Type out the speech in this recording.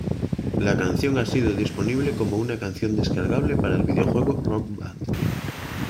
La canción ha sido disponible como una canción descargable para el videojuego "Rock Band".